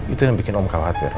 itu yang bikin om khawatir